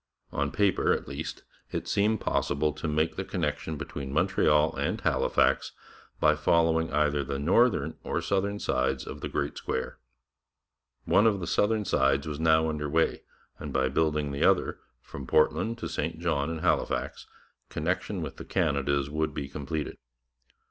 On paper, at least, it seemed possible to make the connection between Montreal and Halifax by following either the northern or the southern sides of the great square. One of the southern sides was now under way, and by building the other, from Portland to St John and Halifax, connection with the Canadas would be completed.